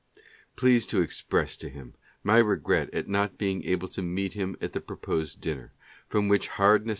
Please to :o him my regret at not being able to n e e : m at the proposed dinner, from which hard nee.